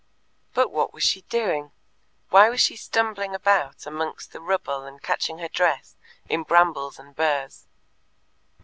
But what was she doing? Why was she stumbling about amongst the rubble and catching her dress in brambles and burrs?